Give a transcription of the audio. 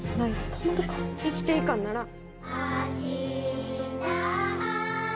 生きていかならん。